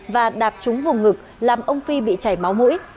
và đạp trúng vùng ngực làm ông phi bị chảy máu mũi